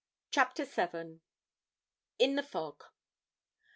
CHAPTER VII. IN THE FOG.